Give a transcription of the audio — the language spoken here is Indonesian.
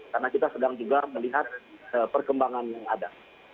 karena kita sedang juga melihat perkembangan yang ada